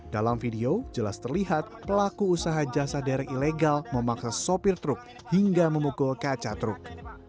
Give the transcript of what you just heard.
dalam video jelas terlihat pelaku usaha jasa derek ilegal memaksa sopir truk hingga memukul kaca truk